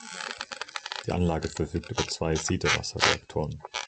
Die Anlage verfügt über zwei Siedewasserreaktoren.